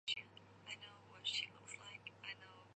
小苞木里翠雀花为毛茛科翠雀属下的一个变种。